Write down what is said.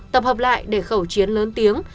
tập hợp lại để khẩu chiến lớn tiếng